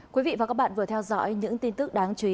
quý vị và các bạn vừa theo dõi những tin tức đáng chú ý